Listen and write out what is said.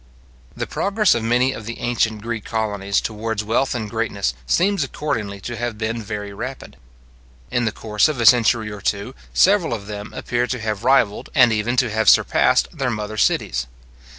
The progress of many of the ancient Greek colonies towards wealth and greatness seems accordingly to have been very rapid. In the course of a century or two, several of them appear to have rivalled, and even to have surpassed, their mother cities.